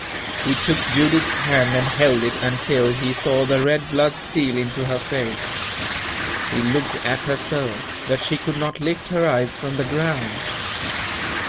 He took Judith's hand and held it until he saw the red blood steal into her face. He looked at her so, that she could not lift her eyes from the ground.